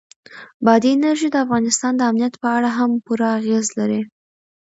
بادي انرژي د افغانستان د امنیت په اړه هم پوره اغېز لري.